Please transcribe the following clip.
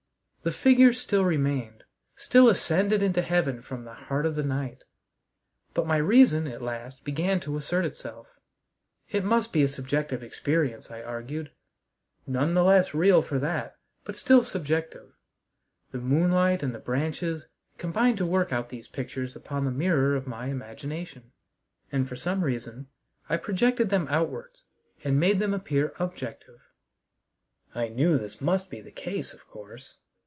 The figures still remained, still ascended into heaven from the heart of the night, but my reason at last began to assert itself. It must be a subjective experience, I argued none the less real for that, but still subjective. The moonlight and the branches combined to work out these pictures upon the mirror of my imagination, and for some reason I projected them outwards and made them appear objective. I knew this must be the case, of course.